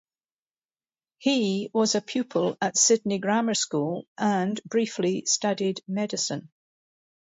He was a pupil at Sydney Grammar School and briefly studied medicine.